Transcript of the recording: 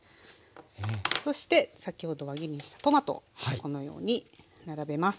そして先ほど輪切りにしたトマトをこのように並べます。